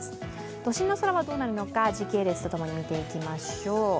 都心の空はどうなるのか時系列とともに見ていきましょう。